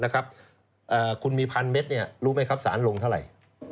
คุณมี๑๐๐เมตรรู้ไหมครับสารลงเท่าไหร่